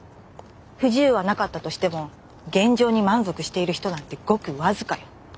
不自由はなかったとしても現状に満足している人なんてごく僅かよ。